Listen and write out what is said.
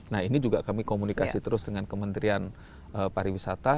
nah ini juga kami komunikasi terus dengan kementerian pariwisata